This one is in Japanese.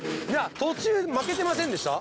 途中負けてませんでした？